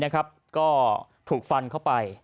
ก็ถูกฟันเข้าไป